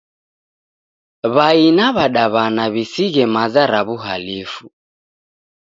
W'ai na w'adaw'ana w'isighe maza ra w'uhalifu.